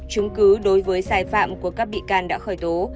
chứng cứ đối với sai phạm của các bị can đã khởi tố